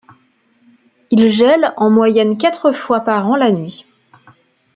Il gèle en moyenne quatre fois par an la nuit.